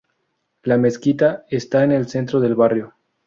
La mezquita está en el centro del barrio.